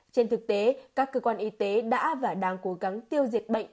trên thực tế các cơ quan y tế đã và đang cố gắng tiêu diệt bệnh